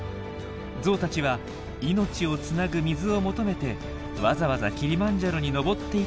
ゾウたちは命をつなぐ水を求めてわざわざキリマンジャロに登っていたというわけなんです。